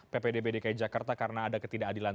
ppdb dki jakarta karena ada ketidakadilan